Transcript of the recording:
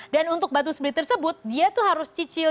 dan untuk batu split tersebut dia tuh harus cicil